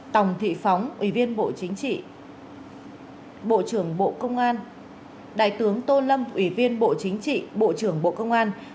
tòng thị phóng ủy viên bộ chính trị bộ trưởng bộ công an đại tướng tô lâm ủy viên bộ chính trị bộ trưởng bộ công an